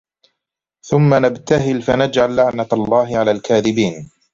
ثُمَّ نَبْتَهِلْ فَنَجْعَلْ لَعْنَةَ اللَّهِ عَلَى الْكَاذِبِينَ